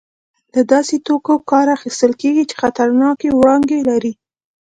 له داسې توکو کار اخیستل کېږي چې خطرناکې وړانګې لري.